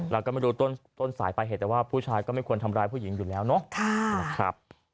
แล้วก็ไม่รู้ต้นสายไปเหตุแต่ว่าผู้ชายก็ไม่ควรทำร้ายผู้หญิงอยู่แล้วเนาะนะครับ